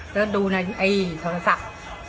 เสิร์ชดูในโทรศัพท์